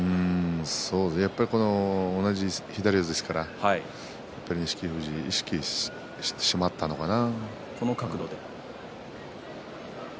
やっぱり同じ左四つですから錦富士意識してしまったのかな。